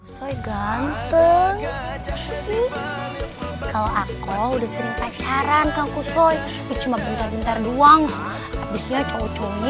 soe ganteng kalau aku udah sering pacaran kau kusoi cuma bentar bentar doang habisnya cowok cowoknya